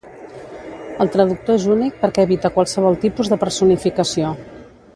El traductor és únic perquè evita qualsevol tipus de personificació.